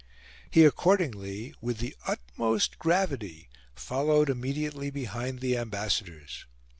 He accordingly, with the utmost gravity, followed immediately behind the Ambassadors.